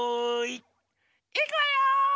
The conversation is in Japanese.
いくわよ！